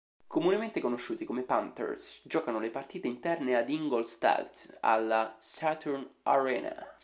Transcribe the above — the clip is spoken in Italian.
Comunemente conosciuti come Panthers, giocano le partite interne ad Ingolstadt alla Saturn Arena.